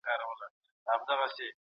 قرضې بايد په ښه ځای ولګېږي.